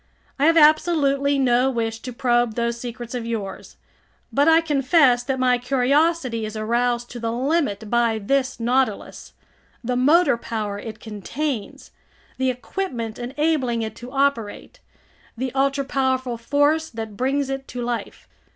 I have absolutely no wish to probe those secrets of yours! But I confess that my curiosity is aroused to the limit by this Nautilus, the motor power it contains, the equipment enabling it to operate, the ultra powerful force that brings it to life.